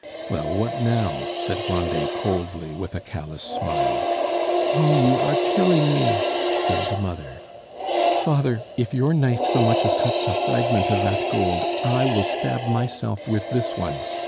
"Well, what now?" said Grandet coldly, with a callous smile. "Oh, you are killing me!" said the mother. "Father, if your knife so much as cuts a fragment of that gold, I will stab myself with this one!